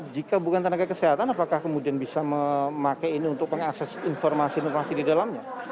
jika bukan tenaga kesehatan apakah kemudian bisa memakai ini untuk mengakses informasi informasi di dalamnya